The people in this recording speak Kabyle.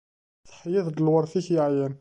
Teḥyiḍ-d lweṛt-ik yeɛyan!